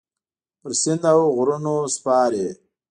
پر سیند اوغرونو سپارې